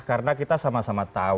karena kita sama sama tahu